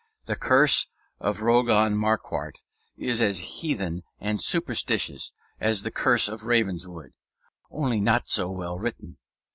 The curse of Rougon Macquart is as heathen and superstitious as the curse of Ravenswood; only not so well written.